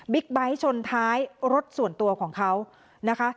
ไบท์ชนท้ายรถส่วนตัวของเขานะคะ